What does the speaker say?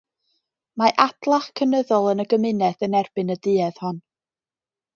Mae adlach cynyddol yn y gymuned yn erbyn y duedd hon.